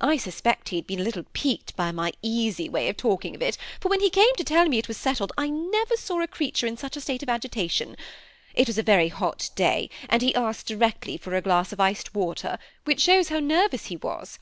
I suspect he had been a little piqued by my easy way of talking of it, for when he came to teU me it was settled, I never saw a creature in such a state of agitation. It was a very hot day, and he asked directly for a glass of iced water, which shows how nervous he was.